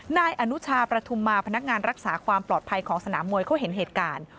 นายอนุชาประทุมมาพนักงานรักษาความปลอดภัยของสนามมวยเขาเห็นเหตุการณ์